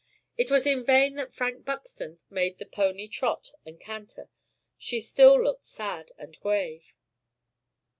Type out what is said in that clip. It was in vain that Frank Buxton made the pony trot and canter; she still looked sad and grave.